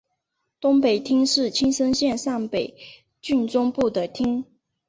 东北町是青森县上北郡中部的町。